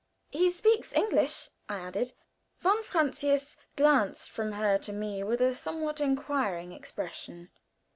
"He speaks English," I added. Von Francius glanced from her to me with a somewhat inquiring expression.